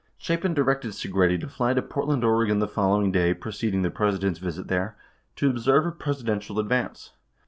18 Chapin directed Segretti to fly to Portland, Oreg., the following day, preceding the President's visit there, to observe a Presidential ad vance.